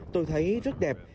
tôi thấy rất đẹp